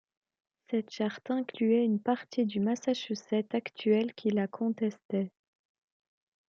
Cette charte incluait une partie du Massachusetts actuel qui la contestait.